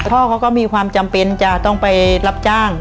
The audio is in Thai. พ่อเขาก็มีความจำเป็นจะต้องไปรับจ้าง